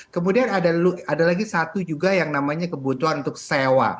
kemudian ada lagi satu juga yang namanya kebutuhan untuk sewa